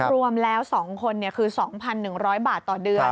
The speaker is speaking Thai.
รวมแล้ว๒คนคือ๒๑๐๐บาทต่อเดือน